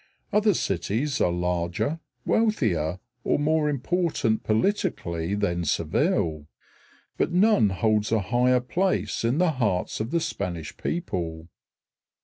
Other cities are larger, wealthier, or more important politically than Seville; but none holds a higher place in the hearts of the Spanish people.